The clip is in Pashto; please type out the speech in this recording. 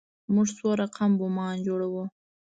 موږ څو رقم بمان جوړوو.